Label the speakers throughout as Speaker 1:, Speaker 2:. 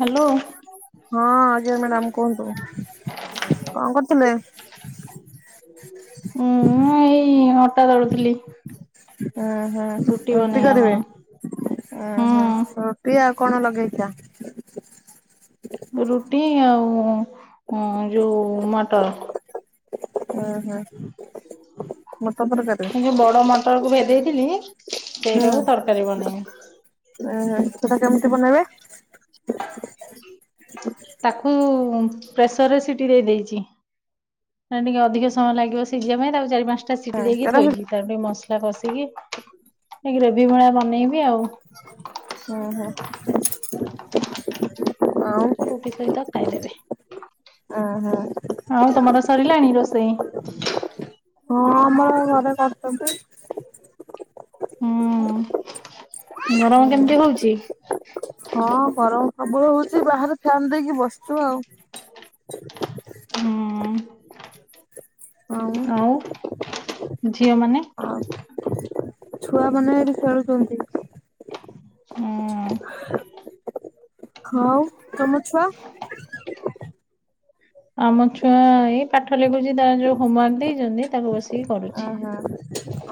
Speaker 1: Hello.
Speaker 2: ହଁ ଆଜ୍ଞା madam କୁହନ୍ତୁ କଣ କରୁଥିଲେ?
Speaker 1: ଉଁୁ ଏଇ ଅଟା ଦଳୁଥିଲି।
Speaker 2: ଆଁ ହଁ
Speaker 1: ରୁଟି
Speaker 2: ାରୁଟି
Speaker 1: ବନେଇବା
Speaker 2: କରିବେ?
Speaker 1: ପାଇଁ।
Speaker 2: ଉଃ ରୁଟି ଆଉ କଣ ଲଗେଇଛ?
Speaker 1: ରୁଟି ଆଉ ଯୋଉ ମଟର।
Speaker 2: ହୁଁ ହୁଁ। ମଟର ତରକାରୀ।
Speaker 1: ମୁଁ ଯୋଉ ବଡ ମଟର କୁ ଭେଜେଇଥିଲି।
Speaker 2: ହୁଁ
Speaker 1: ସେଇଟାକୁ ତରକାରୀ ବନେଇବି।
Speaker 2: ସେଟା କେମିତି ବନେଇବେ?
Speaker 1: ତାକୁ ପ୍ରେସରରେ ସିଟି ଦେଇ ଦେଇଛି। ନା ଟିକେ ଅଧିକ ସମୟ ଲାଗିବ ସିଝିବା ପାଇଁ ତାକୁ ଚାରି ପାଞ୍ଚଟ ସେଟା ସିଟି
Speaker 2: ହୁଁ
Speaker 1: ଦେଇକି
Speaker 2: କେରା ହୁଁ
Speaker 1: ଥୋଇଛିିବ ତା ଟିକେ ମସଲା କଷିକି ଟ ଗ୍ରେଭି ଭୂଳା ବନେଇବି ଆଉ।
Speaker 2: ଓହୋ।
Speaker 1: ରୁଟି ସହିତ ଖାଇଦେବେ
Speaker 2: ଉଁ ହୁଁ
Speaker 1: ଆଉ ତମର ସରିଲାଣି ରୋଷେଇ?
Speaker 2: ହଁ ଆମର ଘରେ ଭାତ ତ।
Speaker 1: ହୁଁ ଗରମ
Speaker 2: ହୁଁ
Speaker 1: କେମିତି ହଉଛି?
Speaker 2: ହଁ ଗରମ ସବୁ ହଉଛି ବାହାରେ ଫ୍ୟାନ୍ ଦେଇକି ବସିଛୁ ଆଉ।
Speaker 1: ହୁଁ ଆଉ ଝିଅ ମାନେ?
Speaker 2: ଛୁଆମାନେ ଏଠି ଖେଳୁଛନ୍ତି।
Speaker 1: ହୁଁ।
Speaker 2: ହଁ ତମ ଛୁଆ?
Speaker 1: ଆମ ଛୁଆ ଏଇ ପାଠ ଲେଖୁଛି ତାର ଯୋଉ ହୋମୱାର୍କ ଦେଇଛନ୍ତି ତାକୁ ବସିକି କରୁଛି।
Speaker 2: ହଁ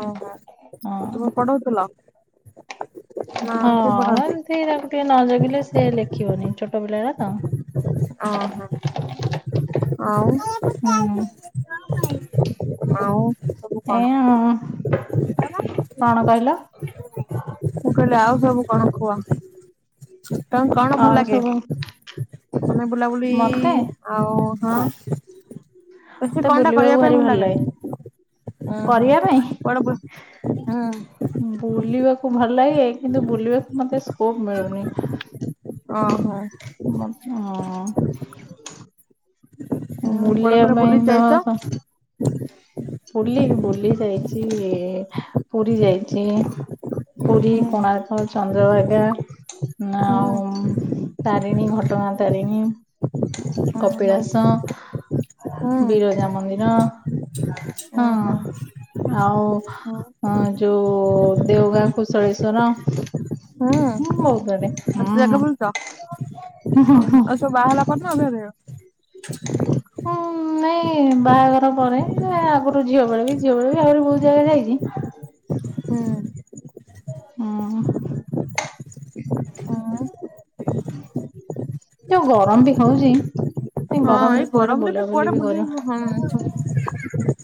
Speaker 2: ଓହୋ
Speaker 1: ହଁ
Speaker 2: ତୁମେ ପଢଉଥିଲ। ନା
Speaker 1: ହଁ
Speaker 2: କିଏ ପଢନ୍ତି
Speaker 1: ଏମିତି ତାକୁ ଟିକେ ନ ଜଗିଲେ ସେ ଲେଖିବନି ଛୋଟ ପିଲାଟା ତ।
Speaker 2: ଓହୋ
Speaker 1: ହୁଁ
Speaker 2: ଆଉ। ଆଉ। ସବୁ କଣ?
Speaker 1: ଏ ଆଉ କଣ କହିଲ?
Speaker 2: ମୁଁ କହିଲେ ଆଉ ସବୁ କଣ କୁହ ତମେ କଣ ଭଲ
Speaker 1: ଆଉ
Speaker 2: ଲାଗେ।
Speaker 1: ସବୁ
Speaker 2: ତମେ ବୁଲାବୁଲି
Speaker 1: ମତେ
Speaker 2: ଆଉ ହଁ। ତ ସେ
Speaker 1: ମତେ
Speaker 2: କଣ ଟା
Speaker 1: ବୁଲିବାକୁ
Speaker 2: କରିବା ପାଇଁ
Speaker 1: ଭାରି
Speaker 2: ଭଲ
Speaker 1: ଲାଗେ
Speaker 2: ଲାଗେନ। ଓହୋ
Speaker 1: କରିବା ପାଇଁ
Speaker 2: କଣ ହୁଁ
Speaker 1: ବୁଲିବାକୁ ଭଲ ଲାଗେ କିନ୍ତୁ ବୁଲିବାକୁ ମୋତେ ସ୍କୋପ୍ ମିଳୁନି।
Speaker 2: ଓହୋ।
Speaker 1: ଓହୋ।
Speaker 2: ହୁଁ କୁଆଡେ
Speaker 1: ବୁଲିବା
Speaker 2: କୁଆଡେ ବୁଲି
Speaker 1: ପାଇଁ
Speaker 2: ଯାଇଛ?
Speaker 1: ତ ବୁଲି ବୁଲି ଯାଇଛି ପୁରୀ ଯାଇଛି। ପୁରୀ
Speaker 2: ହୁଁ
Speaker 1: କୋଣାର୍କ ଚନ୍ଦ୍ରଭାଗା
Speaker 2: ହୁଁ
Speaker 1: ଆଉ ତାରିଣୀ ଘଟଣା ତାରିଣୀ
Speaker 2: ଓହୋ
Speaker 1: କପିଳାସ
Speaker 2: ହୁଁ
Speaker 1: ବିର ଯା ମନ୍ଦିର। ହ
Speaker 2: ଓହୋ।
Speaker 1: ଆଉ
Speaker 2: ହୁଁ।
Speaker 1: ଯୋଉ ଦେଓଗାଁ କୁଶଳେଶ୍ଵର। ହୁଁ ମୁଁ କରେ
Speaker 2: ଏତେ
Speaker 1: ହୁଁ।
Speaker 2: ଜାଗା ତୁ ବାହାହେଲା ପରେ ନା ଅଭିଆରୀ।
Speaker 1: ହୁଁ ନାଇଁ ବାହାଘର ପରେ ଆଗରୁୁ ଝିଅ ବେଳେ ବି ଝିଅ ବେଳେ ବି ଆହୁରି ବହୁତ ଜାଗା ଯାଇଛି।
Speaker 2: ହୁଁ।
Speaker 1: ହୁଁ। ଯୋଉ ଗରମ ବି ହଉଛି। ଏ
Speaker 2: ହଁ ଏଇ
Speaker 1: କୁଆଡେ
Speaker 2: ଗରମରେ ବି
Speaker 1: ବୁଲାବୁଲି
Speaker 2: କୁଆଡେ ବୁଲେଇବୁ ହଁ।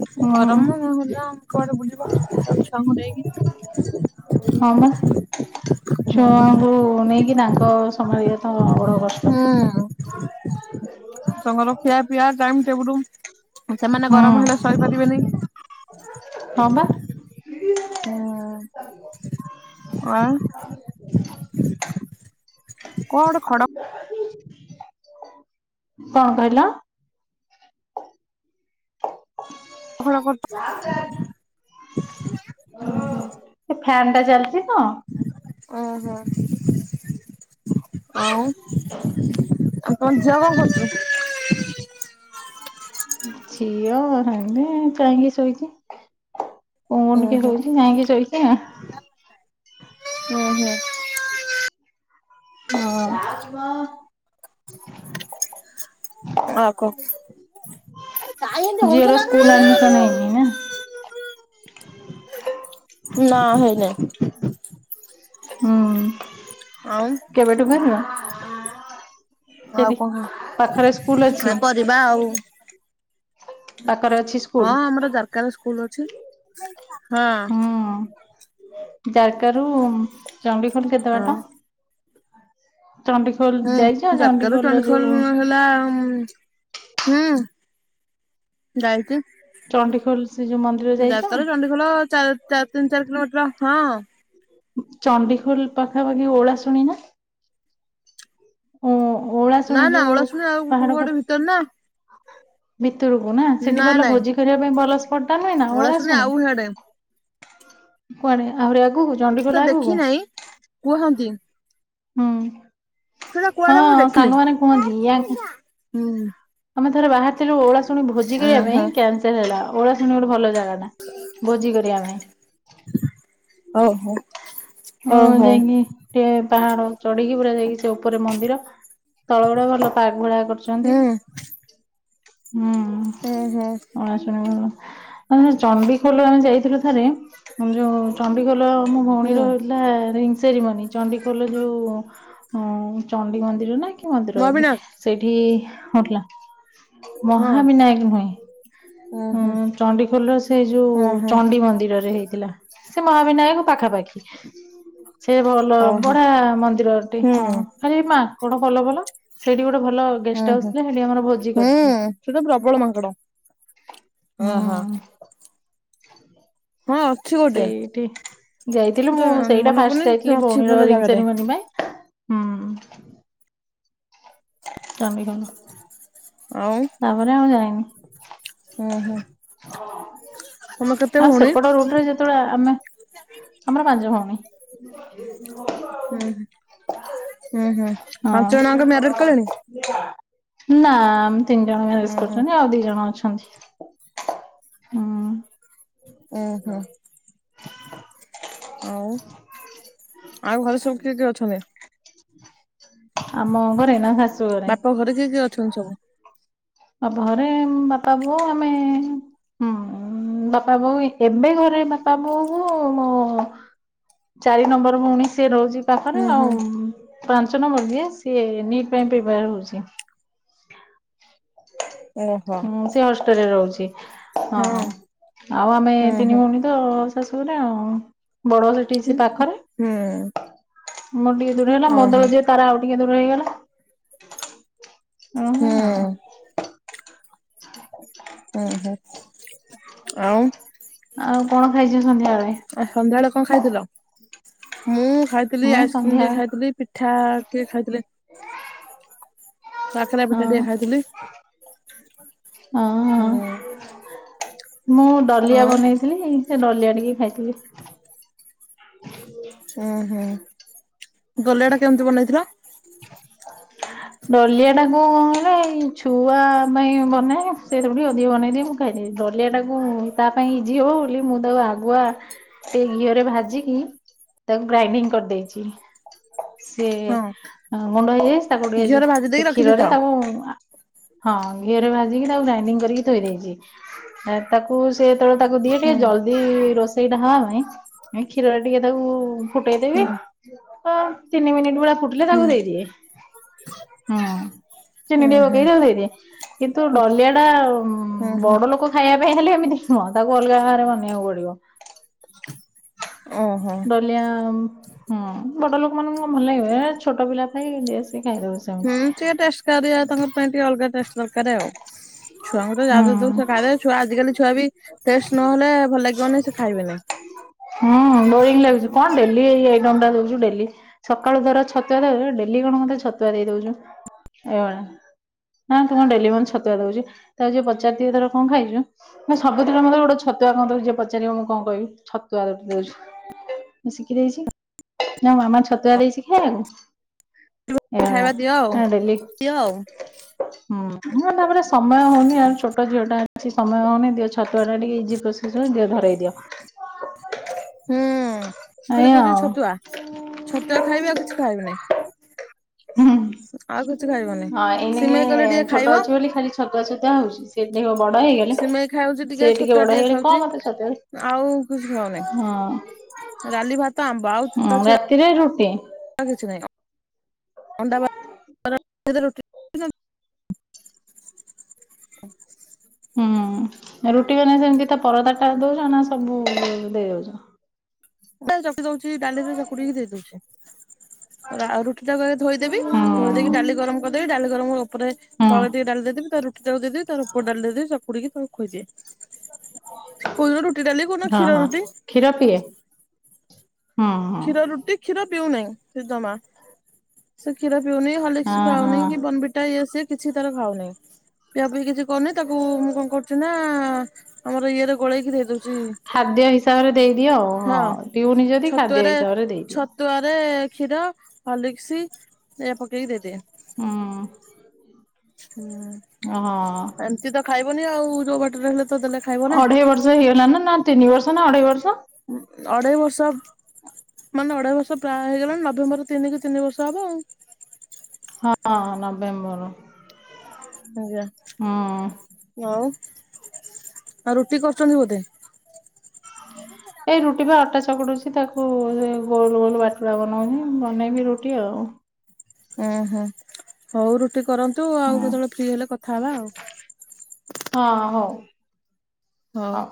Speaker 1: ହ
Speaker 2: ଗରମ ନହେଲା ଆମ କୁଆଡେ ବୁଲିବ ତ ଛୁଆଙ୍କୁ ନେଇକି।
Speaker 1: [unintelligible]
Speaker 2: ହୁଁ ତାଙ୍କର ଖିଆ ପିଆ ଟାଇମ୍ ଟେବୁଲ। ସେମାନେ
Speaker 1: ହୁଁ
Speaker 2: ଗରମ ହେଲେ ଶହିପାରିବେନି।
Speaker 1: ହ ବା।
Speaker 2: ହୁଁ ଆଉ କଣ ଗୋଟେ ଖଡ଼
Speaker 1: କଣ କହିଲ?
Speaker 2: [unintelligible]
Speaker 1: ସେ ଫ୍ୟାନ ଟା ଚାଲିଛି ତ।
Speaker 2: ଓ ହୋ ଆଉ [unintelligible]
Speaker 1: ଝିଅ ରୁମ୍ ରେ ଟାଇମ୍ ରେ ଶୋଇଛି। [unintelligible]
Speaker 2: ଓ
Speaker 1: ହଁ।
Speaker 2: ଆଉ କୁହ
Speaker 1: ଝିଅର ସ୍କୁଲ ଆଡମିସନ ହେଇନି
Speaker 2: [inaudible]
Speaker 1: ନା
Speaker 2: ନା ହେଇନାହିଁ।
Speaker 1: ହୁଁ।
Speaker 2: ଆଉ
Speaker 1: କେବେଠୁ ବାହାହେଲା କେବେ ପାଖରେ ସ୍କୁଲ ଅଛି?
Speaker 2: ଯିବା ଆଉ
Speaker 1: ପାଖରେ ଅଛି ସ୍କୁଲ
Speaker 2: ହଁ ଆମର ଯାର୍କା ରେ ସ୍କୁଲ ଅଛି। ହଁ।
Speaker 1: ହୁଁ ଜାର୍କା ରୁ ଚଣ୍ଡିଖୋଲ କେତେ
Speaker 2: ହଁ।
Speaker 1: ବାଟ? [unintelligible] ଯାଇଛ
Speaker 2: ହୁଁ ଯାର୍କାରୁ ଚଣ୍ଡିଖୋଲ
Speaker 1: ଯୋଉ
Speaker 2: ହେଲା ହୁଁ ଗାୟତ୍ରୀ।
Speaker 1: ଚଣ୍ଡିଖୋଲ ସେ ଯୋଉ ମନ୍ଦିର ଯାଇଛ?
Speaker 2: ଖୋଲ ଚା ଚା ତିନି ଚାରି କିଲୋମିଟର ହଁ।
Speaker 1: ଚଣ୍ଡଡିିଖୋଲ ପାଖାପାଖି ଓଳା ଶୁଣି ନା? ହଁ ଓଳା
Speaker 2: ନା
Speaker 1: ଶୁଣି
Speaker 2: ନା
Speaker 1: ଯୋଉ
Speaker 2: ଓଳାଶୁଣି ଆଉ
Speaker 1: ପାହାଡ଼
Speaker 2: ଗୋଟେ
Speaker 1: ଘର
Speaker 2: ଭିତରେ ନା
Speaker 1: ଭିତରକୁ ନା ସେଠି
Speaker 2: ନାଇଁ
Speaker 1: ଭଲ
Speaker 2: ନାଇଁ
Speaker 1: ଭୋଜି କରିବା ପାଇଁ ଭଲ ସ୍ପର୍ଟା ନୁହେ ନା ଓଳାଶୁଣି।
Speaker 2: ଆଉ ହଡେ।
Speaker 1: କୁଆଡ଼େ ଆହୁରି ଆଗକୁ।
Speaker 2: କି
Speaker 1: ଚଣ୍ଡିଖୋଲ
Speaker 2: ତ
Speaker 1: ଆଗକୁ
Speaker 2: ଦେଖି
Speaker 1: ହୁଁ
Speaker 2: ନାହିଁ କୁହନ୍ତି।
Speaker 1: ହୁଁ
Speaker 2: ସେଟା କୁଆଡେ ମୁଁ
Speaker 1: ହଁ
Speaker 2: ଦେଖିନି।
Speaker 1: ସାଙ୍ଗମାନେ କୁହନ୍ତି।
Speaker 2: ହୁଁ
Speaker 1: ଆମେ ଥରେ ବାହାରଥିଲୁ ଓଳା ଶୁଣି ଭୋଜି କରିବା ପାଇଁ
Speaker 2: ଓହୋ
Speaker 1: କ୍ୟାନସଲ ହେଲା ଓଳା ଶୁଣି ଗୋଟେ ଭଲ ଜାଗା ନା। ଭୋଜି କରିବା ପାଇଁ।
Speaker 2: ଓ ହୋ।
Speaker 1: ମୁଁ ଯାଇକି ଟିକେ ପାହାଡ଼ ଚଢିକି ପୁରା ଯାଇକି ସେ ଉପରେ ମନ୍ଦିର। ତଳ ଗୁଡେ ଭଲ ପାଗ ଭଳିଆ କରିଛନ୍ତି।
Speaker 2: ହୁଁ। ଓହୋ
Speaker 1: ହଁ ଚଣ୍ଡିଖୋଲ ଆମେ ଯାଇଥିଲୁ। ଥରେ ଯୋଉ ଚଣ୍ଡିଖୋଲ
Speaker 2: ହୁଁ
Speaker 1: ମନ୍ଦିର। ପା ରିଙ୍ଗସେରିମନି ଚଣ୍ଡିଖୋଲ ଯୋଉ ଚଣ୍ଡି ମନ୍ଦିର ନାହିଁ। କି ମନ୍ଦିର ଗଟେ
Speaker 2: ମହାବିନାୟକ
Speaker 1: ସେଇଠି କୋଉଠି
Speaker 2: ହଁ
Speaker 1: ମହାବିନାୟକ ନୁହେଁ। ହଁ
Speaker 2: ଓହୋ।
Speaker 1: ଚଣ୍ଡିଖୋଲ ସେଇ ଯୋଉ
Speaker 2: ଓହୋ
Speaker 1: ଚଣ୍ଡି ମନ୍ଦିରରେ ହେଇଥିଲା। ସେ ମହାବିନାୟକ ପାଖାପାଖି। ସେ ଭଲ
Speaker 2: ଓହୋ
Speaker 1: ବଢିଆ ମନ୍ଦିରଟି ହଁ
Speaker 2: ହୁଁ
Speaker 1: ଖାଲି ମାଙ୍କଡ଼ ପଲ ପଲ। ସେଇଠି ଗୋଟେ ଭଲ ଗେଷ୍ଟ ହାଉସ ଥିଲା ସେଠି ଆମର ଭୋଜି କରିଥିଲୁ।
Speaker 2: ଠୀ ତ ପ୍ରବଳ ମାଙ୍କଡ଼।
Speaker 1: ହୁଁ।
Speaker 2: ହଁ ଅଛି ଗୋଟେ।
Speaker 1: ସେଇଠି ଯାଇଥିଲି ମୁଁ
Speaker 2: ସେଟା
Speaker 1: ସେଇଟା
Speaker 2: ମନ
Speaker 1: ଫାଷ୍ଟ
Speaker 2: ପଡନି
Speaker 1: ଯାଇଥିଲି
Speaker 2: ସେ ଅଛି
Speaker 1: ଭଉଣୀର
Speaker 2: ଭଲ
Speaker 1: ରିଙ୍ଗ
Speaker 2: ଜାଗାଟେ।
Speaker 1: ସେରିମନି ପାଇଁ। ହୁଁ ଚାମ୍ବି କାନ୍ତ।
Speaker 2: ଆଉ।
Speaker 1: ତାପରେ ଆଉ
Speaker 2: ହୁଁ ହୁଁ
Speaker 1: ଯାଇନି।
Speaker 2: ତମେ କେତେ
Speaker 1: ଆଉ
Speaker 2: ଭଉଣୀ?
Speaker 1: ସେପଟ ରୁଟରେ ଯେ କେତବେଳେ? ଆମେ ଆମର ପାଞ୍ଚ ଭଉଣୀ।
Speaker 2: ଉଁ ହୁଁ। ପାଞ୍ଚ ଜଣ
Speaker 1: ହଁ
Speaker 2: ଆଙ୍କ ମ୍ୟାରେଡ୍ କଲେଣି?
Speaker 1: ନା ଆମ ତିନି ଜଣ ମ୍ୟାରେଜ୍
Speaker 2: ଉଁ ହୁଁ
Speaker 1: କରଛନ୍ତି ଆଉ ଦି ଜଣ ଅଛନ୍ତି। ହୁଁ।
Speaker 2: ଉଁ ହୁଁ। ଆଉ ଆଉ ଘରେ ସବୁ କିଏ କିଏ ଅଛନ୍ତି?
Speaker 1: ଆମ ଘରେ ନା ଶାଶୁ
Speaker 2: ବାପ ଘରେ କିଏ କିଏ ଅଛନ୍ତି ସବୁ?
Speaker 1: ବାପ ଘରେ ବାପା ବୋଉ ଆମେ ହୁଁ। ବାପା ବୋଉ ଏବେ ଘରେ ବାପା ବୋଉ ମୁଁ। ଚାରି ନମ୍ବର ଭଉଣି ସିଏ ରହୁଚି। ତାପରେ
Speaker 2: ହୁଁ ହୁଁ
Speaker 1: ଆଉ ପାଞ୍ଚ ନମ୍ବର ଯିଏ ସିଏ ନିଟ୍ ପାଇଁ ପ୍ରିପେୟାର୍ ହଉଚି।
Speaker 2: ଓହୋ।
Speaker 1: ସିଏ ହଷ୍ଟେଲରେ ରହୁଛି ହଁ ଆଉ ଆମେ
Speaker 2: ହୁଁ
Speaker 1: ତିନି
Speaker 2: ହୁଁ
Speaker 1: ଭଉଣୀ ତ ଶାଶୁଘରେ ଆଉ। ବଡ ସେଠି ସେ ତାଖରେ
Speaker 2: ହୁଁ
Speaker 1: ମୋର ଟିକେ ଦୂର ହେଲା ମୋ
Speaker 2: ଓହୋ
Speaker 1: ତଳ ଯିଏ ତାର ଆଉ ଟିକେ ଦୂର ହେଇଗଲା।
Speaker 2: ହୁଁ।
Speaker 1: ଓହୋ ଆଉ
Speaker 2: ଉଁ ହୁଁ ଆଉ।
Speaker 1: କଁ ଖାଇଚୁ ସନ୍ଧ୍ୟାବେଳେ?
Speaker 2: ଏଃ ସନ୍ଧ୍ୟାବେଳେ କଣ ଖାଇଥିଲ? ମୁଁ ଖାଇଥିଲି
Speaker 1: ମୁଁ
Speaker 2: ଆଇସ୍କ୍ରିମ ଟିକେ
Speaker 1: ସନ୍ଧ୍ୟାବେଳେ
Speaker 2: ଖାଇଥିଲି ପିଠା ଟିକେ ଖାଇଥିଲି। କାକରା
Speaker 1: ହଁ
Speaker 2: ପିଠା ଟିକେ ଖାଇଥିଲି।
Speaker 1: ହଁ।
Speaker 2: ହୁଁ।
Speaker 1: ହଁ। ମୁଁ ଡଲିଆ
Speaker 2: ଆଉ
Speaker 1: ବନେଇଥିଲି ସେ ଡଲିଆ ଟିକେ ଖାଇଥିଲି।
Speaker 2: ଉଁ ହୁଁ ଦଲିଆ ଟା କେମିତି ବନେଇଥିଲ?
Speaker 1: [unintelligible] ଡଲିଆ ଟା କୁ ଏଇ ଛୁଆ ପାଇଁ ବନାଏ ସେଇଥିରୁ ଟିକେ ଅଧିକ ବନେଇଦିଏ। କାଇଁ ଡଲିଆ ଟାକୁ ତା ପାଇଁ ଇଜି ହବ ବୋଲି ମୁଁ ତାକୁ ଆଗୁଆ ଟିକେ ଘିଅରେ ଭାଜିକି ତାକୁ ଗ୍ରାଇଣ୍ଡିଙ୍ଗ କରିଦେଇଚି
Speaker 2: ହଁ
Speaker 1: ସିଏ ଗୁଣ୍ଡ ହେଇଯାଇଚି ତାକୁ ଟିକେ ସେ
Speaker 2: ଘିଅରେ ଭାଜି
Speaker 1: ସେ
Speaker 2: ଦେଇକି
Speaker 1: କ୍ଷୀରରେ
Speaker 2: ରଖିଦେଇଥାଅ।
Speaker 1: ତାକୁ ଓଃ ହଁ ଘିଅରେ ଭାଜିକି ତାକୁ ଗ୍ରାଇଣ୍ଡିଙ୍ଗ୍ କରିକି ଥୋଇ ଦେଇଚି। ତାକୁ ସେ ଯେତବେଳେ ତାକୁ ଦିଏ ଟିକେ
Speaker 2: ହୁଁ
Speaker 1: ଜଲଦି ରୋଷେଇ ଟା ହବା ପାଇଁ ଉଁ କ୍ଷୀରରେ ଟିକେ ତାକୁ
Speaker 2: ହୁଁ
Speaker 1: ଫୁଟେଇଦେବି ଅ ତିନି ମିନିଟ ଭଳିଆ ଫୁଟିଲେ
Speaker 2: ହୁଁ
Speaker 1: ତାକୁ ଦେଇ ଦିଏ। ହୁଁ ଚିନି
Speaker 2: ଉଁ
Speaker 1: ଟିକେ
Speaker 2: ହୁଁ
Speaker 1: ପକେଇ ତାକୁ ଦେଇ ଦିଏ କିନ୍ତୁ ଡଲିଆ ଟା ଉମ୍ ଉଁ ବଡ ଲୋକ ଖାଇବା ପାଇଁ ହେଲେ ଏମିତି ନୁହଁ ତାକୁ ଅଲଗା ଭାବରେ ବନେଇବାକୁ ପଡିବ।
Speaker 2: ଓହୋ
Speaker 1: ଡଲିଆ ହୁଁ ବଡ ଲୋକମାନଙ୍କୁ କଣ ଭଲ ଲାଗିବ? ଏ ଛୋଟ ପିଲା ପାଇଁ ଦିଏ ସେ ଇଏ ଖାଇ ରୁସମ୍
Speaker 2: ହୁଁ ସିଏ ଟେଷ୍ଟ କରିବ ଆଉ ତାଙ୍କ ପାଇଁ ଟିକେ ଅଲଗା ଟେଷ୍ଟ ଦରକାର ଆଉ। ଛୁଆଙ୍କୁ ତ ଯା
Speaker 1: ହୁଁ।
Speaker 2: ଦେଇଦବୁ ଛୁଆ ଖାଇବେ ଛୁଆ ଆଜିକାଲି ଛୁଆ ବି ଟେଷ୍ଟ ନହେଲେ ଭଲ ଲାଗିବନି ସେ ଖାଇବେନି।
Speaker 1: ହୁଁ ବୋରିଙ୍ଗ ଲାଗୁଚି କଣ ଡେଲି ଏଇ ଆଇଟମ୍ ଟା କରୁଚୁ ଡେଲି। ସକାଳୁ ଧର ଛତୁଆ ଦେଲେ ଡେଲି କଣ ମତେ ଛତୁଆ ଦେଇ ଦଉଛୁ ଏଇଭଳିଆ। ମା ତୁ କଣ ଡେଲି ମତେ ଛତୁଆ ଦଉଚୁ ତାକୁ ଯିଏ ପଚାର ଦିଏ ଧର କଣ ଖାଇଚୁ? ନା ସବୁଦିନେ ମୋତେ ଗୋଟେ ଛତୁଆ କଣ ଦଉଚୁ ଜିଏ ପଚାରିବ ମୁଁ କଣ କଇବି ଛତୁଆ ଗୋଟେ ଦଉଚୁ। ମୁଁ ଶିଖି ଦେଇଛି ନା ମାମା ଛତୁଆ ଦେଇଛି ଖାଇବାକୁ। ଏ ଭଳିଆ
Speaker 2: ଖାଇବା ଦିଅ ଆଉ
Speaker 1: କଣ ଡେଲି
Speaker 2: ଦିଅ ଆଉ
Speaker 1: [unintelligible] ହୁଁ ମୋ ପାଖରେ ସମୟ ହେଲେ ଆଉ ଛୋଟ ଝିଅ ଟା କିଛି ସମୟ ହଉନି ଦିଅ ଛତୁଆ ଟା ଟିକେ ଇଜି ପ୍ରୋସେସ ଦିଅ ଧରେଇ ଦିଅ।
Speaker 2: ହୁଁ ଖାଲି
Speaker 1: ଏଇଆ
Speaker 2: କହୁଚି
Speaker 1: ଆଉ
Speaker 2: ଛତୁଆ ଛତୁଆ ଖାଇବି ଆଉ କିଛି ଖାଇବି ନାଇଁ।
Speaker 1: ହୁଁ ହୁଁ ହଁ ଏଇନେକେ
Speaker 2: ସିମେଇ କଲେ ଟିକେ
Speaker 1: ଛୋଟ
Speaker 2: ଖାଇବ
Speaker 1: ଅଛି ବୋଲି ଖାଲି ଛତୁଆ ଛତୁଆ ହଉଚି। ସେ ଦେଖିବ ବଡ ହେଇଗଲେ
Speaker 2: ସିମେଇ ଖାଉଛି
Speaker 1: ସେ ଟିକେ
Speaker 2: ଛତୁଆ
Speaker 1: ବଡ ହେଇଗଲେ
Speaker 2: ଖାଉଛି।
Speaker 1: କଣ ମତେ ଛତୁ
Speaker 2: ଆଉ କିଛି ଖାଉନି ଡ଼ାଲି ଭାତ ଆମ୍ବ ଆଉ
Speaker 1: ହଁ
Speaker 2: ତା ଛଡା
Speaker 1: ରାତିରେ ରୁଟି।
Speaker 2: ଆଉ କିଛିନାଇଁ। ଅଣ୍ଡା [inaudible] ଭାତ
Speaker 1: ହୁଁ ରୁଟି ମାନେ ସେମିତି ତା ପରଦାଟା ଦଉଚ ନା ସବୁ ଉ ଦେଇ ଦଉଚ?
Speaker 2: ଚକକି ଦଉଛି ଡାଲିରେ ଚକୁଡିକି ଦେଇ ଦଉଚି ଆଉ ରୁଟିଟାକୁ ଆଗେ ଧୋଇଦେବି
Speaker 1: ହୁଁ
Speaker 2: ଧୋଇ ଦେଇକି ଡାଲି ଗରମ କରିଦେବି ଡାଲି ଗରମ ଉପରେ
Speaker 1: ହୁଁ
Speaker 2: ତଳେ ଟିକେ ଡାଲି ଦେଇଦବି ତାରେ ରୁ ରୁଟିଟାକୁ ଦେଇଦେବି ତ ପରେ ଉପର ଡାଲି ଦେଇ ଦେବି ବକୁୁଡିକି ତାକୁ ଖୋଇଦିଏ। କଉଦିନ ରୁଟି ଡାଲି କଉ ଦିନ
Speaker 1: ହଁ
Speaker 2: କ୍ଷୀର
Speaker 1: ହଁ
Speaker 2: ରୁଟି
Speaker 1: କ୍ଷୀର ପିଏ? ହୁଁ
Speaker 2: କ୍ଷୀର
Speaker 1: ହୁଁ
Speaker 2: ରୁଟି କ୍ଷୀର ପିଉନାହିଁ ସେ ଜମା। ସେ କ୍ଷୀର ପିଉନି ହଲିକ୍ସ
Speaker 1: ହଁ
Speaker 2: ଖାଉନି
Speaker 1: ହଁ।
Speaker 2: କି ବନଭିଟା ଇଏ ସଏ କିଛି ତାର ଖାଉନେଇଁ। ପିଆପିଇ କିଛି କରୁନି ତାକୁ ମୁଁ କଣ କରୁଛି ନା ଆ ଆମର ଇଏରେ ଗୋଳେଇକି ଦେଇଦଉଚି
Speaker 1: ଖାଦ୍ୟ ହିସାବରେ ଦେଇଦିଅ ହଁ ପିଉନି ଯଦି ଖାଦ୍ୟ
Speaker 2: ଛତୁଆରେ
Speaker 1: ହିସାବରେ ଦେଇଦିଅ।
Speaker 2: ଛତୁଆରେ କ୍ଷୀର ହର୍ଲିକ୍ସଏଇଆ ପକେଇକି ଦେଇଦିଏ।
Speaker 1: ହୁଁଉଁ।
Speaker 2: ହୁଁଉଁ।
Speaker 1: ଅ ହ ଅ
Speaker 2: ଏମିତି ତ ଖାଇବନି ଆଉ ଯୋଉ ବାଟରେ ହେଲେ ତ ଦେଲେ ଖ
Speaker 1: ଅଢ଼େଇ ବର୍ଷ ହେଇଗଲା ନା ନା ତିନି ବର୍ଷ ନା ଅଢେଇ ବର୍ଷ?
Speaker 2: ଉଁ ଅଢ଼େଇ ବର୍ଷ। ମାନେ ଅଢ଼େଇ ବର୍ଷ ପ୍ରାୟ ହେଇଗଲାଣି ନଭେମ୍ବର ତିନି କି ତିନି ବର୍ଷ ହବ ଆଉ।
Speaker 1: ହଁ ହଁ ନଭେମ୍ବର।
Speaker 2: ଆଜ୍ଞା
Speaker 1: ହୁଁ
Speaker 2: ଆଉ ଆଉ ରୁଟି କରୁଚନ୍ତି ବୋଧେ?
Speaker 1: ହଁ ଏଇ ରୁଟି ବା ଅଟା ଚକଡୁଛି ତାକୁ ଗୋଲ ଗୋଲ ବାଟୁଳା ବନଉଛି ବନେଇବି ରୁଟି ଆଉ।
Speaker 2: ଉଁ ହୁଁ ହଉ ରୁଟି କରନ୍ତୁ
Speaker 1: ହଁ
Speaker 2: ଆଉ ଯେତେବେଳେ ଫ୍ରି ହେଲେ କଥା ହବା ଆଉ।
Speaker 1: ହଁ ହଉ।
Speaker 2: ହଁ।
Speaker 1: ହଉ।